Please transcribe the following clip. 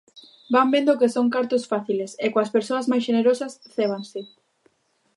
Van vendo que son cartos fáciles e coas persoas máis xenerosas cébanse.